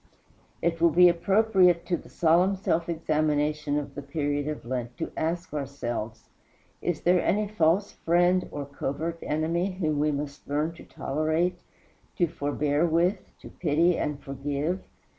It will be appropriate to the solemn self examination of the period of Lent to ask ourselves, Is there any false friend or covert enemy whom we must learn to tolerate, to forbear with, to pity and forgive?